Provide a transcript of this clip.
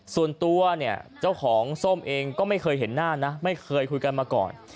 ส่วนตัวเนี่ยเจ้าของส้มเองก็ไม่เคยเห็นหน้านะไม่เคยคุยกันมาก่อน